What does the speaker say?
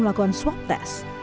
melakukan swab tes